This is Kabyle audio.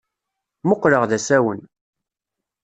Mmuqqleɣ d asawen.